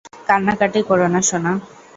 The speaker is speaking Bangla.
কান্নাকাটি করো না, সোনা!